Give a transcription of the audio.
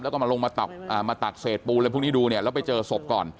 แล้วก็มาลงมาตักเศษปูนอะไรพวกนี้ดูเนี่ยแล้วไปเจอศพก่อน